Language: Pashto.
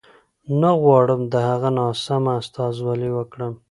نه غواړم د هغه ناسمه استازولي وکړم.